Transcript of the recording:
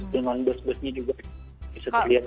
dengan bus busnya juga bisa dilihat di